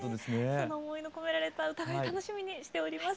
その思いの込められた歌声楽しみにしております。